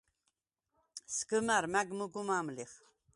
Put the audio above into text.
სგჷმა̈რ მა̈გ მუგუ მა̄მ ლიხ.